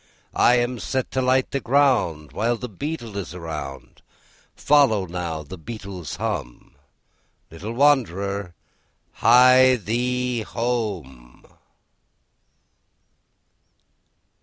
'I am set to light the ground, While the beetle goes his round: Follow now the beetle's hum; Little wanderer, hie thee home!